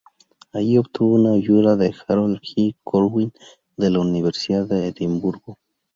Ahí obtuvo ayuda de Harold G Corwin de la Universidad de Edimburgo.